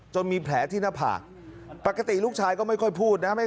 มีแผลที่หน้าผากปกติลูกชายก็ไม่ค่อยพูดนะ